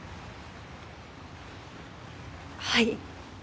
はい。